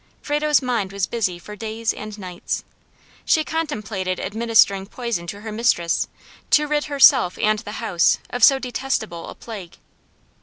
Frado's mind was busy for days and nights. She contemplated administering poison to her mistress, to rid herself and the house of so detestable a plague.